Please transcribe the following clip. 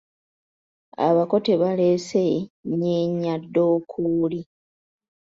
Abako tebaleese nnyeenyaddookooli.